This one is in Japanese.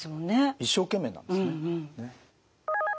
一生懸命なんですね。